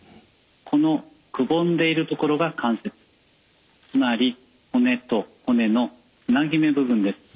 このくぼんでいる所が関節つまり骨と骨のつなぎ目部分です。